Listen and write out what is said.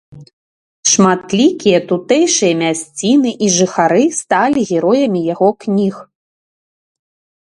Шматлікія тутэйшыя мясціны і жыхары сталі героямі яго кніг.